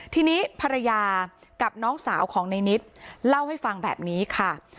ทีนี้ภรรยากับน้องสาวของในนิดเล่าให้ฟังแบบนี้ค่ะ